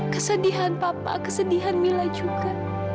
kesedihan papa kesedihan mila juga